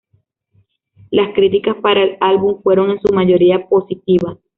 Las críticas para el álbum fueron en su mayoría positivas.